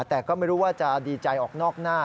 แต่ก็ไม่รู้ว่าจะดีใจออกนอกหน้า